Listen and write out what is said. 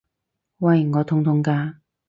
喂！我痛痛㗎！